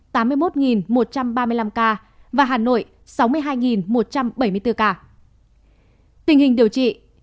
tình hình điều trị